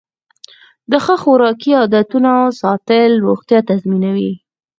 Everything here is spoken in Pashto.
د ښه خوراکي عادتونو ساتل روغتیا تضمینوي.